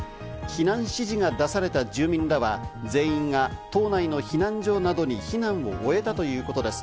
避難指示が出された住民らは全員が島内の避難所などに避難を終えたということです。